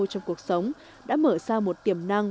trong cuộc sống đã mở ra một tiềm năng